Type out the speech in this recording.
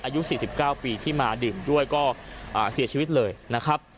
อายุสี่สิบเก้าปีที่มาดื่มด้วยก็อ่าเสียชีวิตเลยนะครับ